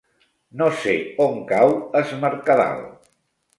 No sé on cau Es Mercadal.